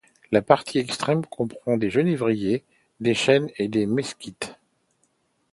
La partie extrême comprend des genévriers, des chênes et des mesquites.